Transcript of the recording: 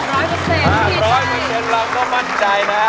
๕๐๐เวลาเราก็มั่นใจนะครับ